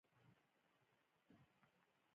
ډېره ستړیا او بې شیمه والی